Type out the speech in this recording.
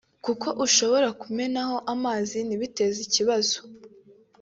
kuko ushobora kumenaho amazi ntibiteze ikibazo